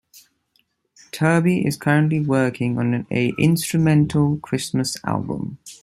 Truby is currently working on a instrumental Christmas album.